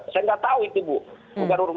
saya nggak tahu itu bu